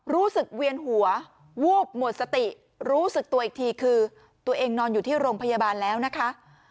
เวียนหัววูบหมดสติรู้สึกตัวอีกทีคือตัวเองนอนอยู่ที่โรงพยาบาลแล้วนะคะ